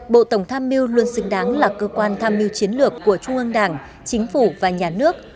bộ tổng tham mưu luôn xứng đáng là cơ quan tham mưu chiến lược của trung ương đảng chính phủ và nhà nước